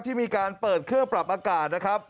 ที่มีการเปิดเครื่องปรับอากาศนะครับ